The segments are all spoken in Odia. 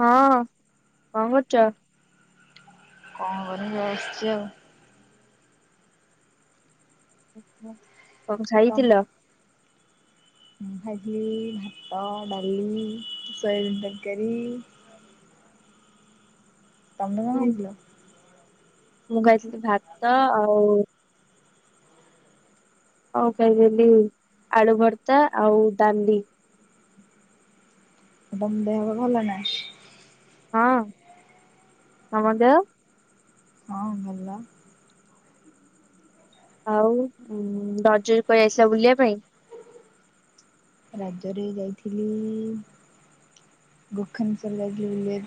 ହଁ କଣ କରୁଚ କଣ କରିବି ବସିଛି ଆଉ କଣ ଖାଇଥିଲ? ଭାଜଲି ଭାତ ଡାଲି ସୟାବି ତରକାରୀ। [inaudible] ତମେ କଣ ମୁଁ ଆଇଥିଲ ମୁଁ ଖାଇଥିଲି ଭାତ ଆଉ ଆଉ ଖାଇଦେଲି ଆଳୁ ଭର୍ତା ଆଉ ଡାଲି। ଆଉ ତମ ଦେହ ଭଲ ନା? ହଁ ତମ ଦେହ? ହଁ ଭଲ। ଆଉ ରଜ ରେ କୁଆଡ଼େ ଯାଇଥିଲ ବୁଲିବା ପାଇଁ? ରାଜରେ ଯାଇଥିଲି [unintelligible] ତାପରେ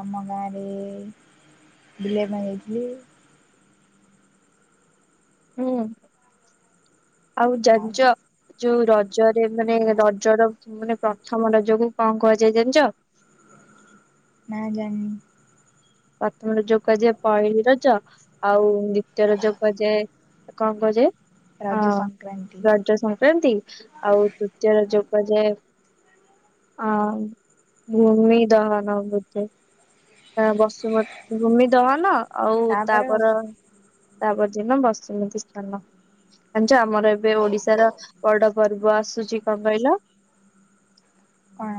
ଆମ ଗାଁରେ ବୁଲିବା ପାଇଁ ଯାଇଥିଲି। ହୁଁ ଆଉ ଜାନଚ ଯୋଉ ରଜରେ ମାନେ ରଜ ର ମାନେ ପ୍ରଥମ ରଜକୁ କଣ କୁହାଯାଏ ଜାଣିଚ? ନା ଜାଣିନି। ପ୍ରଥମ ରଜ କୁ କୁହାଯାଏ ପହିଲି ରଜ ଆଉ ଦ୍ଵିତୀୟ ରଜ କୁହାଯାଏ କଣ କୁଆଯାଏ? ରଜ ହଁ ସଂକ୍ରାନ୍ତି ରଜ ସଂକ୍ରାନ୍ତି ଆଉ ତୃତୀୟ ରଜ କୁ କୁଆଯାଏ ଆ ଭୂମି ଦହନ ବୋଧେ ବସୁ ଭୂମି ଦହନ ଆଉ ତାପରେ ତାପର ତା ପର ଦିନ ବସୁମତୀ ସ୍ନାନ। ଜାଣିଚ ଆମର ଏବେ ଓଡିଶାର ବଡ ପର୍ବ ଆସୁଛି କଣ କଇଲ? କଣ?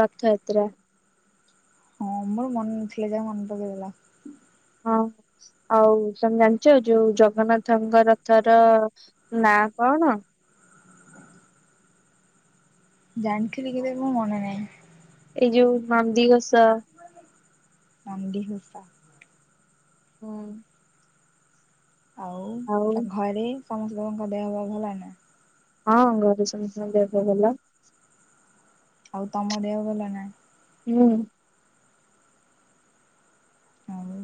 ରଥଯାତ୍ରା। ହଁ ମୋର ମନେ ନଥିଲେ ଯାହା ହଉ ମନେ ପକେଇ ଦେଲ। ହଁ। ଆଉ ତମେ ଜାଣିଚ ଯୋଉ ଜଗନ୍ନାଥଙ୍କ ରଥ ର ନାଁ କଣ? ଜାଣିଥିଲି କିନ୍ତୁ ଏବେ ମୋର ମନେ ନାହିଁ। ଏଇ ଯୋଉ ନନ୍ଦିଘୋଷ। ନନ୍ଦିଘୋଷ। ହୁଁ। ଆଉ ତା ଘରେ ସମସ୍ତଙ୍କ ଦେହ ପା ଭଲ ନା? ହଁ ଘରେ ସମସ୍ତ ଙ୍କ ଦେହ ପା ଭଲ। ଆଉ ତମ ଦେହ ଭଲ ନା? ହୁଁ। ଆଉ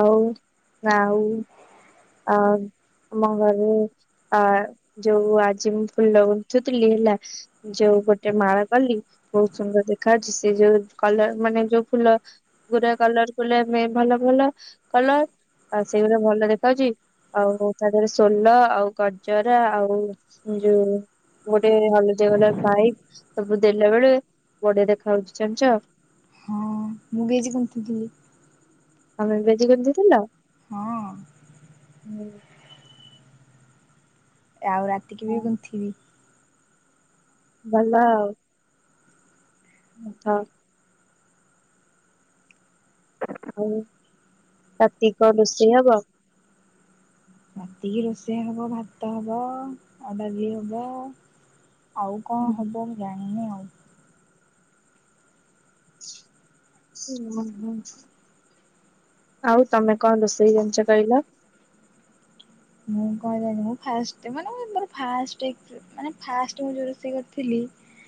ଆଉ ଆଉ ଆ ଆମ ଘରେ ଆ ଯୋଉ ଆଜି ମୁଁ ଫୁଲ ଗୁନ୍ତୁଥିଲି ହେଲା ଯୋଉ ଗୋଟେ ମାଳ କଲି ବହୁତ ସୁନ୍ଦର ଦେଖାଯାଉଚି ସେ ଯୋଉ କଲର ମାନେ ଯୋଉ ଫୁଲ ଗୁରା କଲର କଲେ ଆମେ ଭଲ ଭଲ କଲର ଆଉ ସେଇଗୁଡା ଭଲ ଦେ ଖାଉଚି ଆଉ ତା ଧୀଅରେ ସୋଲ ଆଉ ଗଜରା ଆଉ ଯଉ ଗୋଟେ ହଲଦିଆ ଭାଇପସ୍ ତାକୁ ଦେଲା ବେଳେ ବଢିଆ ଦେଖା ହାଉଛି ଜଣିଚ। ହଁ ମୁଁ ବି ଆଜି ଗୁନ୍ତୁଥୁଲି। ତମେ ବି ଆଜି ଗୁନ୍ଥିଥିଲ? ହଁ ଆଉ ରାତିକି ହଁ ବି ଗୁନ୍ଥିବି। ଭଲ ଆଉ। ଆଛା। ଆଉ ରାତିକି କଣ ରୋଷେଇ ହବ? ରାତିକି ରୋଷେଇ ହବ ଭାତ ହବ ଡାଲି ହବ। ଆଉ କଣ ହୁଁ ହବ ମୁଁ ଜାଣିନି ଆଉ। ଓ ହୋ। ଆଉ ତମେ କଣ ରୋଷେଇ ଜାଣିଚ କଇଲ? ମୁଁ [unintelligible] ମୁଁ ଫାର୍ଷ୍ଟ ମାନେ ମୁଁ ଫାର୍ଷ୍ଟ ମାନେ ଫାର୍ଷ୍ଟ ମୁଁ ଯୋଉ ରୋଷେଇ କରିଥିଲି।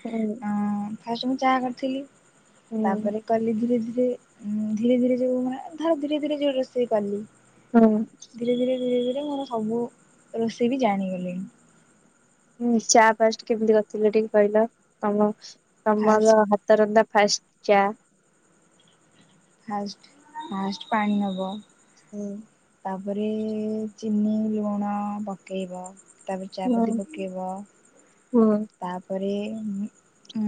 ହୁଁ। ଫାଷ୍ଟ୍ ମୁଁ ଚାହା କରିଥିଲି ହୁଁ ତାପରେ କଲି ଧୀରେ ଧୀ [unintelligible] ଧୀରେ ଧୀରେ ଯୋଉ ମାନେ ଧର ଧୀରେ ଧୀରେ ଯୋଉ ରୋଷେଇ କଲି। ହୁଁ ଧୀରେ ଧୀରେ ଧୀରେ ଧୀରେ ମୋର ସବୁ ରୋଷେଇ ବି ଜାଣିଗଲିଣି। ହଁ ଚା ଫାଷ୍ଟ୍ କେମିତି କରିଥିଲେ ଟିକେ କହିଲ ତମ ଫାଷ୍ଟ ତମର ହାତ ରନ୍ଧା। ଫାର୍ଷ୍ଟ ଚା। ଫାଷ୍ଟ୍ ଫାଷ୍ଟ୍ ପାଣି ନବ। ହୁଁ। ତାପରେ ଚିନି ଲୁଣ ପକେଇବ। ତାପରେ ଚାପତି ହୁଁ ପକେଇବ ହୁଁ। ତାପରେ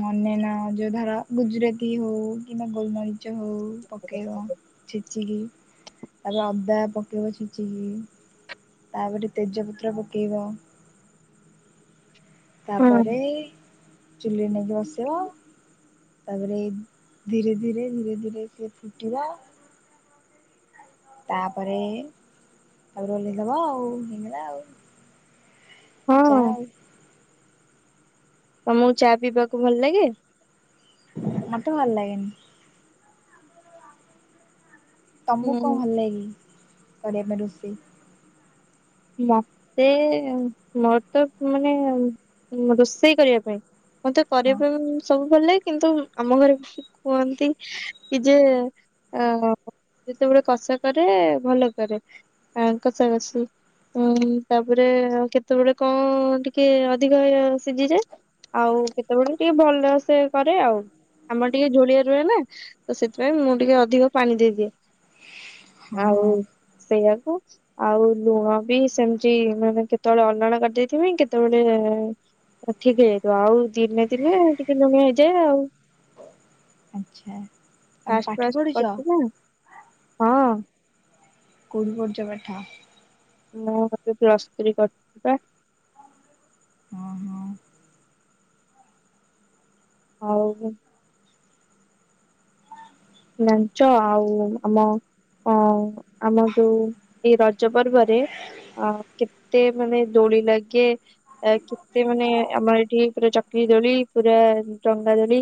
ମନେ ନା ଯୋଉ ଧର ଗୁଜୁରାତି ହଉ କିମ୍ବା ଗୋଲମରିଚ ହଉ। ପକେଇବ ଛେଚିକି ତାପରେ ଅଦା ପକେଇବ ଛେଚିକି। ତାପରେ ତେଜପତ୍ର ପକେଇବ। ହଁ ତାପରେ ଚୁଲି ନେଇକି ବସେଇବ। ତାପରେ ଏଇ ଧୀରେ ଧୀରେ ଧୀରେ ଧୀରେ ସିଏ ଫୁଟିବ। ତାପରେ ତାପରେ ଉଲେଇ ଦବ ଆଉ ହେଇଗଲା ଆଉ। ଚା ହଁ ଆଉ ତମକୁ ଚା ପିଇବାକୁ ଭଲ ଲାଗେ? ମତ ଭଲ ଲାଗେନି। ତମକୁ କଣ ହୁଁ ଭଲ ଲାଗେ କିି କରିବାକୁ ରୋଷେଇ? ମତେ ମୋର ତ ମାନେ ରୋଷେଇ କରିବା ପାଇଁ। ମତେ କରିବା ହଁ ପାଇଁ ସବୁ ଗଲେ କିନ୍ତୁ ଆମ ଘରେ କୁହନ୍ତି ଯେ [unintelligible] କଷା କରେ ଭଲ କରେ କଷା କଷି। ହଁ ତାପରେ ଆ କେତେବେଳେ କଣ ଟିକେ ଅଧିକ ସିଜି ଯାଏ। ଆଉ କେତେବେଳେ ଟିକେ ଭଲରେ ସେ କରେ ଆଉ। ଆମର ଟିକେ ଝୋଲିଆ ରୁହେ ନା ତ ସେଥିପାଇଁ ମୁଁ ଟିକେ ଅଧିକ ପାଣି ଦେଇଦିଏ। ଆଉ ହଁ ସେଇଆକୁ ଆଉ ଲୁଣ ବି ସେମିତି ମାନେ କେତେବେଳେ ଅଲଣା କରିଦେଇଥିବି କେତେବେଳେ ଠିକ୍ ହେଇଯାଇଥିବ ଆଉ ଦିନେ ଦିନେ ଟିକେ ଲୁଣିଆ ହେଇଯାଏ ଆଉ ଆଚ୍ଛା ତମେ ଫାଷ୍ଟ ପାଠ ଫାଷ୍ଟ ପଢୁଛ କରୁଛି ନା ହଁ। କୋଉଠି ପଢୁ଼ଚ ପାଠ? ମୁଁ ଏବେ ପ୍ଲସ୍ ଥ୍ରୀ କରିଛି ପା। ହଁ ହଁ ଆଉ- ଜାଣିଛ ଆଉ ଆମ ହଁ ଆମର ଯୋଉ ଏଇ ରଜ ପର୍ବରେ ଅ କେତେ ମାନେ ଦୋଳି ଲାଗେ କେତେ ମାନେ ଆମର ଏଠି ଚକ୍ରୀ ଦୋଳି ପୁରା ଡଙ୍ଗା ଦୋଳି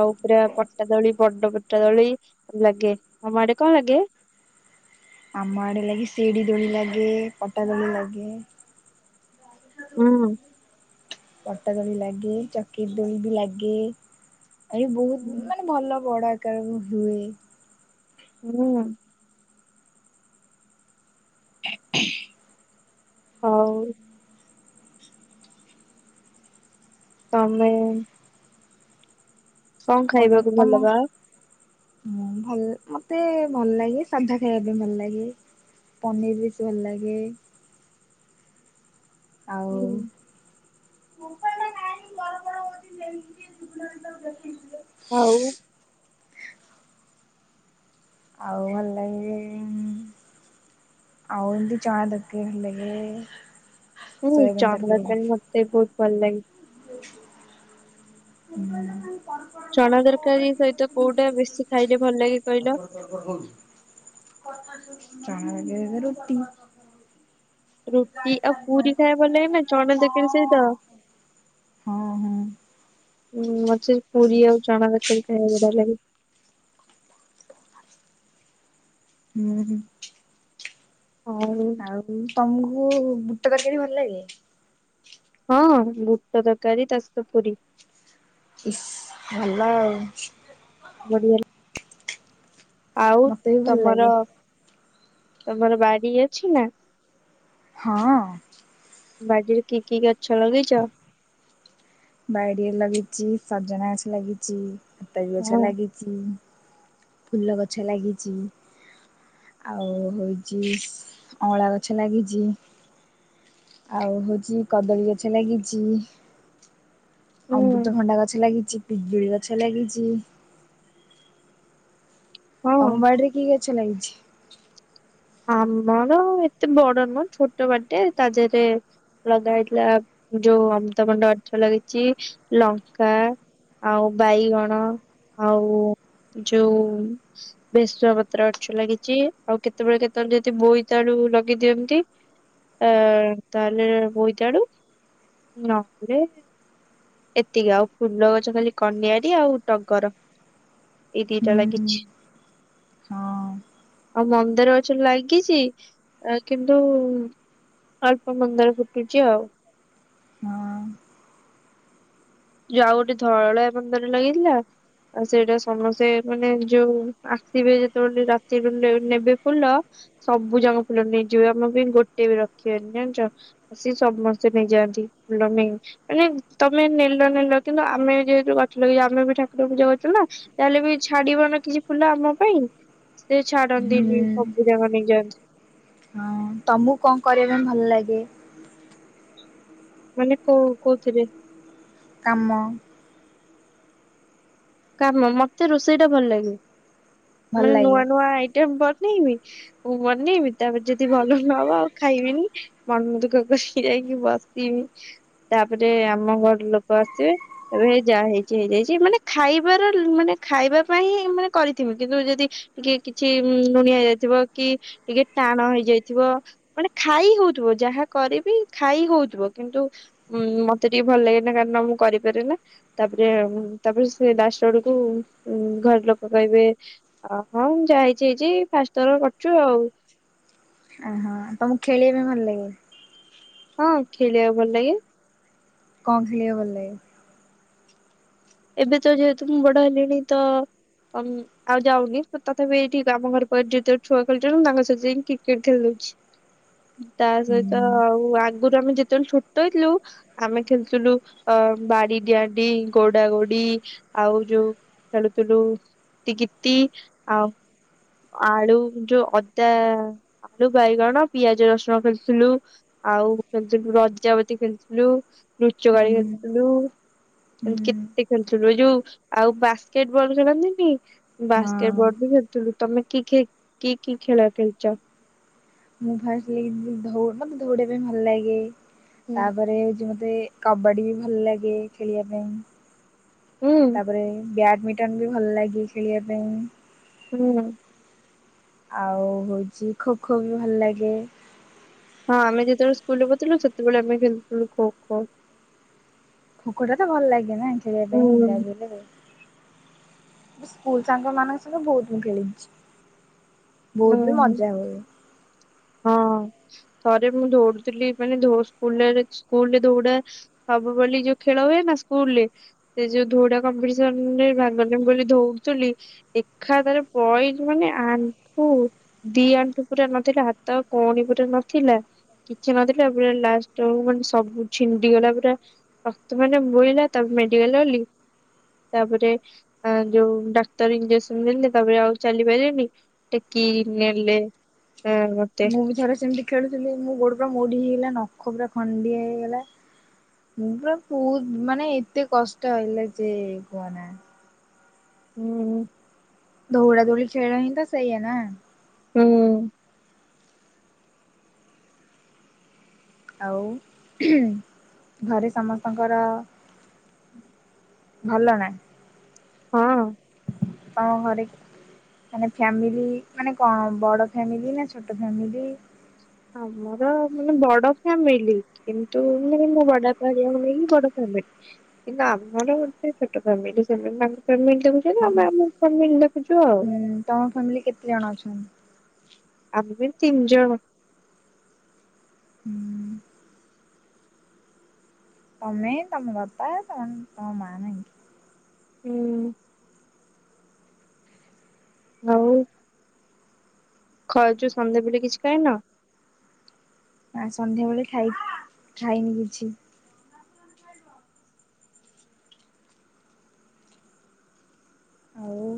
ଆଉ ପୁରା ପଟା ଦୋଳି ବଡ଼ ଦୋଳି ଲାଗେ ତମ ଆଡ଼େ କଣ ଲାଗେ? ଆମ ଆଡ଼େ ଲାଗି ସିଡ଼ି ଦୋଳି ଲାଗେ ପଟା ଦୋଳି ଲାଗେ। ହୁଁ। ପଟା‌ ଦୋଳି ଲାଗେ ଚକ୍ରି ଦୋଳି ବି ଲାଗେ। ଆ ବହୁତ୍ ମାନେ ଭଲ ବଡ଼ ଆକାର ରେ ହୁଏ। ହୁଁ। ହଉ। ତମେ କଣ ଖାଇବାକୁ ଭଲ ପାଅ? ହଁ ଭଲ ମତେ ଭଲ ଲାଗେ ସାଧା ଖାଇବା ବି ଭଲ ଲାଗେ। ପନିର ବେସି ଭଲ ଲାଗେ। ଆଉ ହୁଁ ମୋପ ନା କାଇଁକି ବଡ ବଡ ହଉଛି ସେମ ଆଉ ଆଉ ଭଲ ଲାଗେ। [unintelligible] ହୁଁ ସୋୟାବିନ୍ ଚଲା ତରକାରୀ ହୁଁ। କ ମତେ ବହୁତ ଭଲ ଲାଗେ। ଚଣା ତରକାରୀ ଚଣା ଦରକାର ସହିତ କୋଉଟା ବେଶୀ ଖାଇଲେ ଭଲ ଲାଗେ କହିଲ? ଚାବେ ରୁଟି। ରୁଟି ଆଉ ପୁରୀ ଖାଇବା କୁ ଭଲ ଲାଗେ ନା ଚଣା ତରକରି ସହିତ? ହଁ ହଁ ହୁଁ ମତେ ପୁରୀ ଆଉ ଚଣା ତରକାରୀ ଖାଇବାକୁ ବଢିଆ ଲାଗେ ହୁଁ ହୁଁ ଆଉ ଆଉ ତମକୁ ବୁଟ ତରକାରୀ ଭଲ ଲାଗେ। ହଁଁ ବୁଟ ତରକାରୀ ତା ସହିତ ପୁରୀ ଇସ୍ ଭଲ ଆଉ ବଡିିଆ ଆଉ ମତେ ବି ଭଲ ତମର ଲାଗେ ତମର ବାରି ଅଛି ନା ହଁ ବାଡ଼ିରେ କି କି ଗଛ ଲଗେଇଛ? ବାଡ଼ିରେ ଲଗେଇଛି ସଜନା ଗଛ ଲାଗିଛି ହତାରୀ ଗଛ ହଁ ଲାଗିଛି। ଫୁଲ ଗଛ ଲାଗିଛି। ଆଉ ହଉଛି ଅଁଳା ଗଛ ଲାଗିଛି। ଆଉ ହଉଛି କଦଳୀ ଗଛ ଲାଗିଛି। ହୁଁ ଅମୃତଭଣ୍ଡା ଗଛ ଲାଗିଛି ପିଜୁଳି ଗଛ ଲାଗିଛି। ହଁ। ତମ ବାଡିରେ କି ଗଛ ଲାଗିଛି? ଆମର ଏତେ ବଡ ନୁହଁ ଛୋଟ ବାରିଟେ ତାଦେହରେ ଲଗାହେଇଥିଲା ଯୋଉ ଅମୃତଭଣ୍ଡା ଗଛ ଲାଗିଛି ଲଙ୍କା ଆଉ ବାଇଗଣ ଆଉ ଯୋଉ ବେଶୁଆ ପତ୍ର ଅଛ ଲାଗିଛି ଆଉ କେତେ କେତେବେଳେ କେତେବେଳେ ଯଦି ବୋଇତାଳୁ ଲଗେଇ ଦିଅନ୍ତି। ଆ ତାହାଲେ ବୋଇତାଳୁ ନହେଲେ ଏତିକି ଆଉ ଫୁଲ ଗଛ ଖାଲି କନଆରି ଆଉ ଟଗର। ହୁଁ ଏଇଦିଇଟା ଲାଗିଛି। ହଁ ଆଉ ମନ୍ଦାର ଗଛ ଲାଗିଛି କିନ୍ତୁ ଅଳ୍ପ ମନ୍ଦାର ଫୁଟଟୁଛି ଆଉ ହଁ ଯଉ ଆଉ ଗୋଟେ ଧଳା ମନ୍ଦାର ଲାଗିଥିଲା ଆଉ ସେଇଟା ସମସ୍ତେ ମାନେ ଯୋଉ ଆସିବେ ଯେତେବେଳେ ରାତିରୁ ନେବେ ଫୁଲ ସବୁଯାଙ୍କ ଫୁଲ ନେଇଯିବେ ଆମର ବି ଗୋଟେ ବି ରଖିବେନି ଜାଣିଛ ସିଏ ସମସ୍ତେ ନେଇଯାଆନ୍ତି ମାନେ ତମେ ନେଲେ ନେଲ ନେଲ କିନ୍ତୁ ଆମେ ଯେହେତୁ ଗଛ ଲଗେଇଛୁ ଆମେ ଠାକୁର ପୂଜା କରୁଛୁନା ତାହଲେ ବି ଛାଡିବ ନା କିଛି ଫୁଲ ଆମ ପାଇଁ ସେ ହୁଁ ଛାଡନ୍ତିନି ସବୁଯାଙ୍କ ନେଇଯାଆନ୍ତି ହଁ ତମକୁ କଣ କରିବା ପାଇଁ ଭଲ ଲାଗେ ମାନେ କଉ କୋଉଥିରେ କାମ କାମ ମତେ ରୋଷେଇଟା ଭଲ ଲାଗେ ଭଲ ମାନେ ଲାଗେ ନୂଆ ନୂଆ ଆଇଟମ ବନେଇବି ମୁଁ ବନେଇବି ତାପରେ ଯଦି ଭଲ ନ ହବ ଆଉ ଖାଇବିନି ମନ ଦୁଃଖ କରିକି ଯାଇି କି ବସିବି ତାପରେ ଆମ ଘର ଲୋକ ଆସିବେ କହିବେ ଯାହା ହେଇଛି ହେଇଯାଇଛି ମାନେ ଖାଇବାର ମାନେ ଖାଇବା ପାଇଁ ହିଁ ମାନେ କରିଥିବି କିନ୍ତୁ ଯଦି ଟିକେ କିଛି ଲୁଣିଆ ହୋଇଯାଇଥିବା କି ଟିକେ ଟାଣ ହେଇଯାଇଥିବ, ମାନେ ଖାଇ ହଉଥିବ ଯାହା କରିବି ଖାଇ ହଉ ଥିବ କିନ୍ତୁ ମତେ ଟିକେ ଭଲ ଲାଗେନା କାରଣ ମୁଁ କରିପାରେନା ତାପରେ ତାପରେ ସେ ଲାଷ୍ଟ ଆଡ଼କୁ ଘର ଲୋକ କହିବେ ହଁ ଯାହା ହେଇଚି ହେଇଚି ଫା ଷ୍ଟ ଥର କରୁଚୁ ଆଉ। ଓହୋ ତମକୁ ଖେଳିବା ପାଇଁ ଭଲ ଲାଗେ? ହଁ ଖେଳିବାକୁ ଭଲ ଲାଗେ। କଣ ଖେଳିବାକୁ ଭଲ ଲାଗେ? ଏବେ ତ ଯେହେତୁ ମୁଁ ବଡ ହେଲିଣି ତ ଅ ଆଉ ଯାଉନି, ତଥାପି ଏଇଠି ଆମ ଘର ପାଖରେ ଯେ ଛୁଆ ଖେଳୁଛନ୍ତି! ତାଙ୍କ ସାଙ୍ଗରେ ଯାଇ କ୍ରିକେଟ ଖେଲିଦ [inaudible] ତା ସହିତ ହୁଁ ଆଉ ଆଗରୁ ଆମେ ଯେତେବେଳେ ଛୋଟ ହେଇଥିଲୁ, ଆମେ ଖେଳୁଥିଲୁ ଅ ଅ ବାଡି ଡିଆଁ ଡିଇଁ ଗୋ ଡାଗୋଡି ଆଉ ଯୋଉ ଖେଳୁଥିଲୁ କିତୀ କିତି ଆଉ ଆଳୁ ଯୋ ଅଦା ଆଳୁ ବାଇଗଣ ପିଆଜ ରସୁଣ ଖେଳିଥିଲୁ, ଆଉ ଖେଳିଥିଲୁ ରଜାବତୀ ଖେଳିଥିଲୁ। ଲୁଚକାଳି ହୁଁ। ଖେଳୁଥିଲୁ, ଏମିତି କେତେ ଖେଳିଥିଲୁ। ଏ ଯୋଉ ଆଉ ବାସ୍କେଟ ବଲ୍ ଖେଳନ୍ତିନି ବାସ୍କେଟ ହଁ। ବଲ ବି ଖେଳୁଥିଲୁ। ତମେ କି ଖି କି କି ଖେଳ ଖେଲିଚ? ମୁଁ ଫାଷ୍ଟ ହେଇ ଧୋ ମାନେ ଦଉଡିବା ପାଇଁ ଭଲ ଲାଗେ। ହୁଁ ତାପରେ ଯଉ ରେ କବାଡି ବି ଭଲ ଲାଗେ ଖେଳିବା ପାଇଁ। ହୁଁ ତାପରେ ବ୍ୟାଡ ମିଟନ ବି ଭଲ ଲାଗେ ଖେଳିବା ପାଇଁ। ହୁଁ। ଆଉ ହଉଚି ଖୋ ଖୋ ବି ଭଲ ଲାଗେ। ଆମେ ଯେତେବେଳେ ସ୍କୁଲରେ ପଥିଲୁ ସେତେବେଳେ ଆମେ ଖେଳୁଥିଲୁ ଖୋ ଖୋ ଖୋ ଖୋ ଟା ତ ଭଲ ଲାଗେ ନା ଖେଳିବା ପାଇଁ ହୁଁ ଯାହାବି ହେଲେ ସ୍କୁଲ ସାଙ୍ଗ ମାନଙ୍କ ସହିତ ବହୁତ ମୁଁ ଖେଳିଚି। ବହୁତ ବି ହୁଁ ମଜା ହଏ। ହଁ ଥରେ ମୁଁ ଦୌଡଥିଲି ମାନେ ଧୋ ସ୍କୁଲ୍ ସ୍କୁଲରେ ଦୌଡ଼ା ସବୁ ବୋଲି ଯୋଉ ଖେଳ ହୁଏ ନା ସ୍କୁଲ ରେ। ସେ ଯୋଉ ଧଉଡା କମ୍ପିଟିସନ ରେ ଭାଗ ନେମି ବୋଲି ଧଉ ତୁଲୀ ଏକା ଥରେ ପକେଇଲି ମାନେ ଆନ ଠୁ ଦି ଆଣ୍ଠୁ ପୁରା ନଥିଲା ହାତ ଆଉ କହୁଣୀ ପୁରା ନଥିଲା। କିଛି ନଥିଲା ପୁରା ଲାଷ୍ଟ ବେଳୁକୁ ମାନେ ସବୁ ଛିଣ୍ଡିଗଲା। ପୁରା ରକ୍ତ ମାନେ ବୋଇଲା ତାପ ମେଡ଼ିକାଲ ଗଲି। ତାପରେ ଅ ଯୋଉ ଡାକ୍ତର ଇଞଜେକ୍ସନ ଦେଲେ, ତାପରେ ଆଉ ଚାଲି ପାରିଲିନି। ଟେକିକି ନେଲେ। ମତେ ମୁଁ ବି ଥରେ ସେମିତି ଖେଳୁଥିଲି ମୋ ଗୋଡ ପୁରା ମୋଡି ହେଇଗଲା, ନଖ ପୁରା ଖଣ୍ଡିଆ ହେଇଗଲା। ମୁ ପୁରା ବହୁତ ମାନେ ଏତେ କଷ୍ଟ ହେଇଲା ଯେ କୁହନା। ହୁଁ। ଧୌଡା ଧୌଡି ଖେଳ ହିଁ ତ ସେଇଏ ନା। ହୁଁ। ଆଉ ଘରେ ସମସ୍ତଙ୍କର ଭଲ ନା। ହଁ। ତମ ଘରେ ମାନେ ଫ୍ୟାମିଲି ମାନେ କଣ, ବଡ ଫ୍ୟାମିଲି ନା ଛୋଟ ଫାମିଲି? ଆମର ମାନେ ବଡ ଫ୍ୟାମିଲି। କିନ୍ତୁ ମାନେ ମୋ ବଡବାପା ହରିକା କୁ ନେଇକି ବଡ ଫ୍ୟାମିଲ। କିନ୍ତୁ ଆମର ଗୋଟେ ଛୋଟ ଫ୍ୟାମିଲି। ସେମାନେ ତାଙ୍କ ଫ୍ୟାମିଲୀ ଦେଖୁଚନ୍ତି ଆମେ ଆମ ଫ୍ୟାମିଲୀ ଦେଖ ହୁଁ ତମ ଫ୍ୟାମିଲି କେତେ ଜଣ ଅଛନ୍ତି? ଆମ ବି ତିନ ଜଣ। ହୁଁ ତମେ ତମ ବାପା, ତମେ ତମ ମା ନାହିଁ କି? ହୁଁ। ନାଉ [unintelligible] ସନ୍ଧ୍ୟା ବେଳେ କିଛି ଖାଇନ? ଆ ସନ୍ଧ୍ୟାବେେଳେ ଖାଇ ଖାଇନି କିଛି। ଆଉ।